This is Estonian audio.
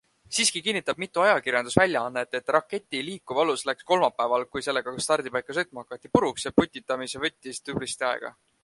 Siiski kinnitab mitu ajakirjandusväljaannet, et raketi liikuv alus läks kolmapäeval, kui sellega stardipaika sõitma hakati, puruks ja putitamine võttis tublisti aega.